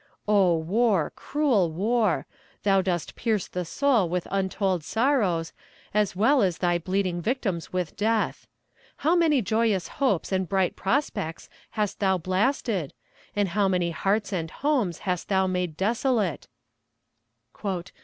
Oh, war, cruel war! Thou dost pierce the soul with untold sorrows, as well as thy bleeding victims with death. How many joyous hopes and bright prospects hast thou blasted; and how many hearts and homes hast thou made desolate!